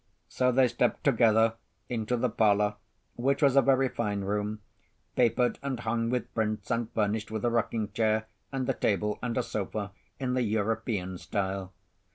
So they stepped together into the parlour, which was a very fine room, papered and hung with prints, and furnished with a rocking chair, and a table and a sofa in the European style.